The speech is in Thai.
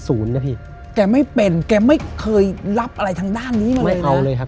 พี่แกไม่เป็นแกไม่เคยรับอะไรทางด้านนี้มาเลยเอาเลยครับ